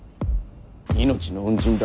命の恩人だ。